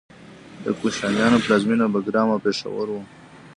د کوشانیانو پلازمینه بګرام او پیښور و